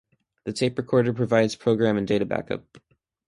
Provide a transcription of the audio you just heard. The tape recorder provides program and data backup.